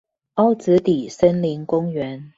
凹子底森林公園